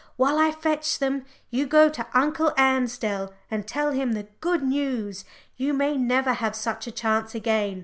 While I fetch them, you go to Uncle Ansdell and tell him the good news. You may never have such a chance again.